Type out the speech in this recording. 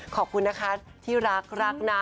ขอบคุณนะคะที่รักรักนะ